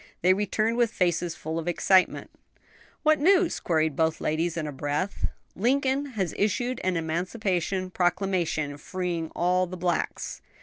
They returned with faces full of excitement. "What news?" queried both ladies in a breath. "Lincoln has issued an Emancipation Proclamation freeing all the blacks."